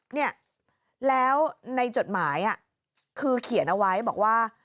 เนี่ยแล้วในจดหมายคือเขียนเอาไว้บอกว่า